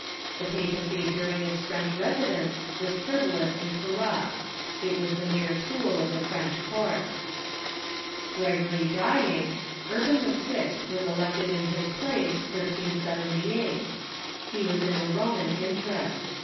The papacy during its French residence was frivolous and cor rupt. It Avas the mere tool of the French court. Gregory dying, Urban VI. was elected in his place, IS'ZS. He was in the Roman interest.